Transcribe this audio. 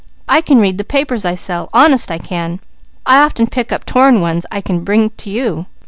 I can read the papers I sell. Honest I can. I often pick up torn ones I can bring to you.